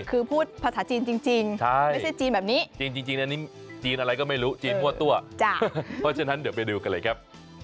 คือพูดภาษาจีนจริงไม่ใช่จีนแบบนี้จีนจริงอันนี้จีนอะไรก็ไม่รู้จีนมั่วตัวเพราะฉะนั้นเดี๋ยวไปดูกันเลยครับ